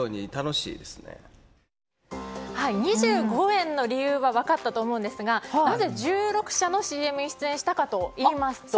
２５円の理由は分かったと思うんですがなぜ１６社のＣＭに出演したかといいますと。